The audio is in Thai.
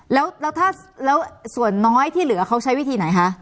แล้วถ้าส่วนน้อยที่เหลือเขาใช้วิธีไหนคะ